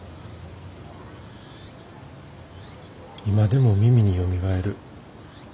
今でも耳によみがえる。